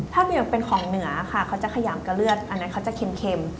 ถ้าเหนียวเป็นของเหนือค่ะเขาจะขยำกับเลือดอันนั้นเขาจะเค็ม